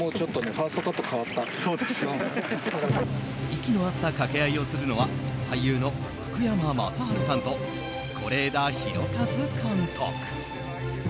息の合った掛け合いをするのは俳優の福山雅治さんと是枝裕和監督。